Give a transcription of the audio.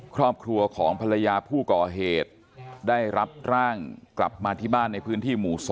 ครอบครัวของภรรยาผู้ก่อเหตุได้รับร่างกลับมาที่บ้านในพื้นที่หมู่๒